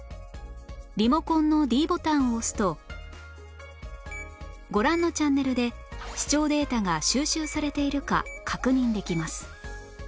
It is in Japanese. リモコンの ｄ ボタンを押すとご覧のチャンネルで視聴データが収集されているか確認できます